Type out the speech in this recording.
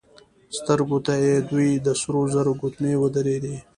سترګو ته يې دوې د سرو زرو ګوتمۍ ودرېدې.